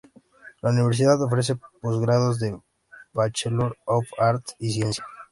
La universidad ofrece postgrados de Bachelor of Arts y ciencia.